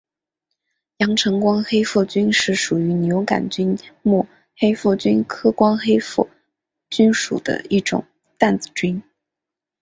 阳城光黑腹菌是属于牛肝菌目黑腹菌科光黑腹菌属的一种担子菌。